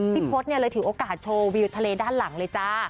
พี่พจนน่ะที่เลยถือโอกาสชมวิวทะเลด้านหลังเลยจ้ะ